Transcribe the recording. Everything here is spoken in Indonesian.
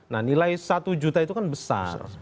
nah nilai satu juta itu kan besar